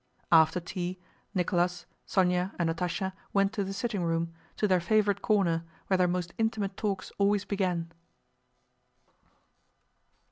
After tea, Nicholas, Sónya, and Natásha went to the sitting room, to their favorite corner where their most intimate talks always began.